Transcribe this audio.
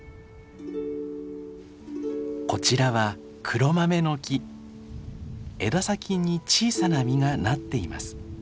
こちらは枝先に小さな実がなっています。